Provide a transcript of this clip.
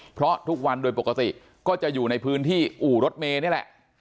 เพราะทุกวันโดยปกติก็จะอยู่ในพื้นที่อู่รถเมย์นี่แหละ